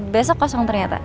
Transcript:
besok kosong ternyata